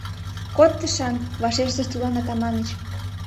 Код тышан! — вашештен тудлан Атаманыч.